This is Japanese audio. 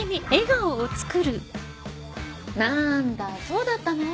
なんだそうだったの？